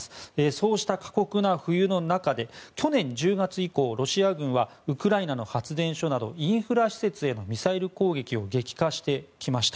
そうした過酷な冬の中去年１０月以降ロシア軍はウクライナの発電所などインフラ施設へのミサイル攻撃を激化してきました。